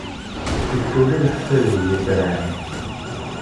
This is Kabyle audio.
Issuli leḥsab i yitran.